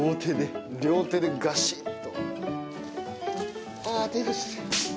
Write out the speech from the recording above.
両手でガシっと。